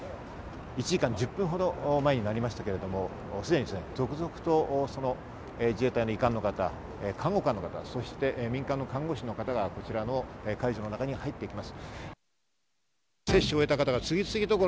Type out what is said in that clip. １時間１０分ほど前になりましたが、すでに続々と自衛隊の医官の方、看護官の方、そして民間の看護師の方がこちらの会場の中に入っていきます。